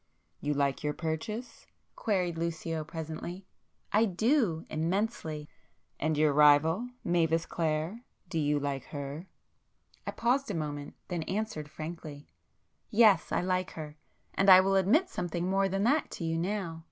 "You like your purchase?" queried Lucio presently. "I do. Immensely!" "And your rival, Mavis Clare? Do you like her?" I paused a moment, then answered frankly, "Yes. I like her. And I will admit something more than that to you now.